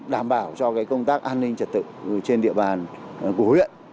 đảm bảo cho công tác an ninh trật tự trên địa bàn của huyện